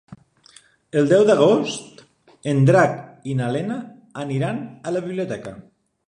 El deu d'agost en Drac i na Lena aniran a la biblioteca.